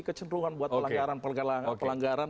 kecenderungan buat pelanggaran